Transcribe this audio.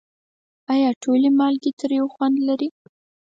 آیا ټولې مالګې تریو خوند لري؟